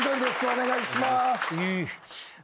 お願いします。